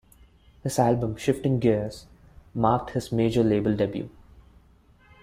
His album "Shifting Gears" marked his major-label debut.